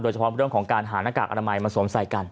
โดยเฉพาะเรื่องของการหาหน้ากากอาณาไมมันสวมใส่กัน